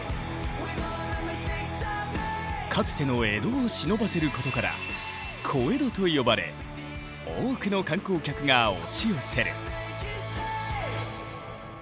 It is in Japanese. かつての江戸をしのばせることから小江戸と呼ばれ多くの観光客が押し寄せる。